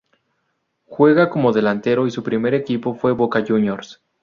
Juega como delantero y su primer equipo fue Boca Juniors.